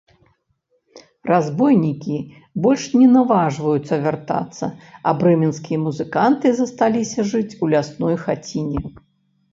Разбойнікі больш не наважваюцца вяртацца, а брэменскія музыканты засталіся жыць у лясной хаціне.